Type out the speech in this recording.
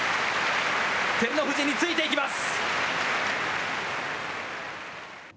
照ノ富士についていきます。